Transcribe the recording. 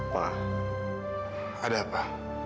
pa ada apa